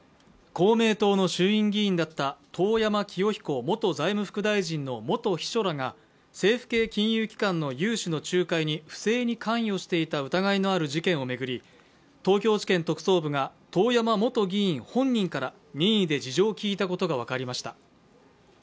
公明党の衆院議員だった遠山清彦元財務副大臣の元秘書らが政府系金融機関の融資の仲介に不正に関与していた疑いのある事件を巡り、東京地検特捜部が遠山元議員本人から任意で事情を聞いたことが分かりました。